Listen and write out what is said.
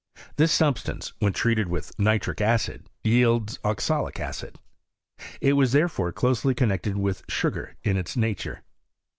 This substance, when treated with nitric acid, yields oxalic acid. It was therefore closely connected with sugar in its nature.